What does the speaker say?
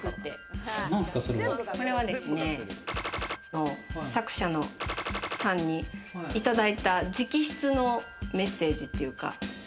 これは作者のさんにいただいた、直筆のメッセージっていうか。